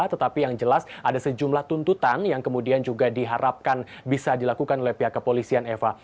tetapi yang jelas ada sejumlah tuntutan yang kemudian juga diharapkan bisa dilakukan oleh pihak kepolisian eva